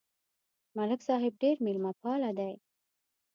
ملک صاحب ډېر مېلمهپاله دی.